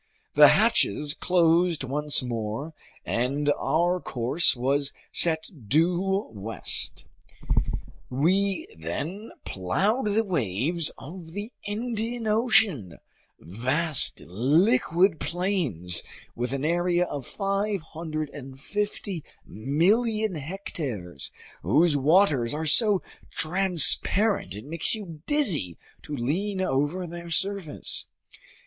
The hatches closed once more, and our course was set due west. We then plowed the waves of the Indian Ocean, vast liquid plains with an area of 550,000,000 hectares, whose waters are so transparent it makes you dizzy to lean over their surface.